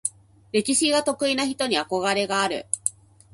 歴史が得意な人に憧れがある。